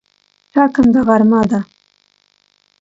ټکنده غرمه ده